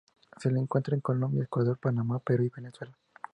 Se lo encuentra en Colombia, Ecuador, Panamá, Perú, y Venezuela.